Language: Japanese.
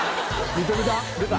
認めた？